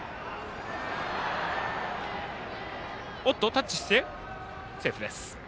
タッチして、セーフです。